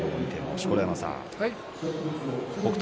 錣山さん、北勝